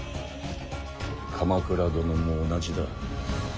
鎌倉殿も同じだ。